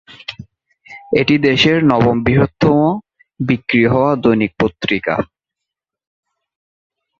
এটি দেশের নবম বৃহত্তম বিক্রি হওয়া দৈনিক পত্রিকা।